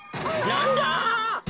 なんだ？